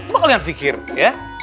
kok kalian pikir ya